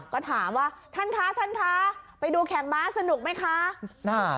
ก็ถามว่าท่านคะท่านคะไปดูแข่งม้าสนุกไหมคะ